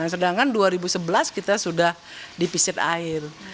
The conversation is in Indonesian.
sedangkan dua ribu sebelas kita sudah dipisit air